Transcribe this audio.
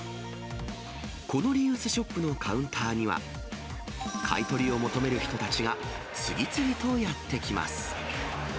このリユースショップのカウンターには、買い取りを求める人たちが、次々とやって来ます。